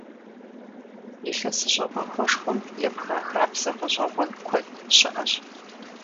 ИлъэсыщӀэ махуэшхуэм епха хабзэ гъэщӀэгъуэн куэд щыӀэщ.